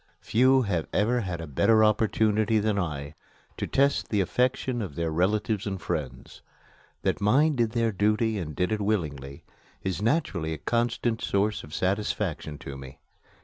Few have ever had a better opportunity than I to test the affection of their relatives and friends. That mine did their duty and did it willingly is naturally a constant source of satisfaction to me.